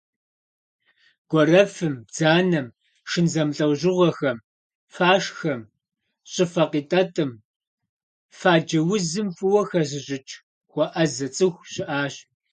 Гуэрэфым, бдзанэм, шын зэмылӏэужьыгъуэхэм, фашхэм, щӏыфэ къитӏэтӏым, фаджэ узым фӏыуэ хэзыщӏыкӏ, хуэӏэзэ цӏыху щыӏащ.